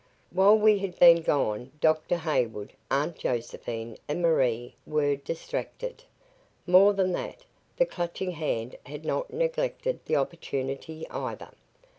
While we had been gone, Dr. Hayward, Aunt Josephine and Marie were distracted. More than that, the Clutching Hand had not neglected the opportunity, either.